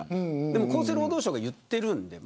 でも厚生労働省が言っているので